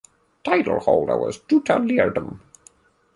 Title holder was Jutta Leerdam.